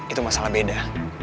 itu masalah beda